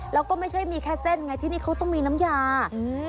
แล้วก็ไม่ใช่มีแค่เส้นไงที่นี่เขาต้องมีน้ำยาอืม